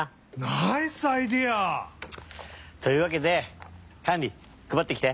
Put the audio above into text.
ナイスアイデア！というわけでカンリくばってきて。